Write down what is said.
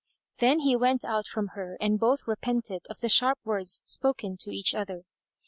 Then he went out from her and both repented of the sharp words spoken each to other.